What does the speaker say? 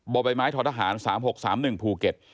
บบทฐ๓๖๓๑ภูเก็ต